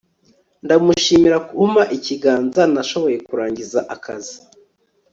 ndamushimira kumpa ikiganza, nashoboye kurangiza akazi